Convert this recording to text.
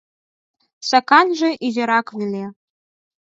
Саканже изирак веле...